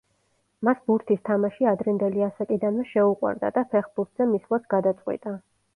მას ბურთის თამაში ადრინდელი ასაკიდანვე შეუყვარდა და ფეხბურთზე მისვლაც გადაწყვიტა.